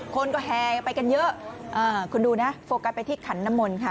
คนก็แห่ไปกันเยอะคุณดูนะโฟกัสไปที่ขันน้ำมนต์ค่ะ